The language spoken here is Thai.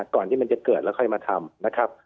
ก่อนที่จะเกิดแล้วค่อยมาทำ